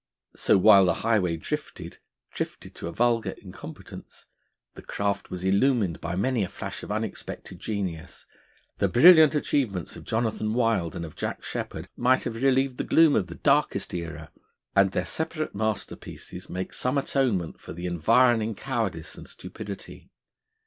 So, while the highway drifted drifted to a vulgar incompetence, the craft was illumined by many a flash of unexpected genius. The brilliant achievements of Jonathan Wild and of Jack Sheppard might have relieved the gloom of the darkest era, and their separate masterpieces make some atonement for the environing cowardice and stupidity.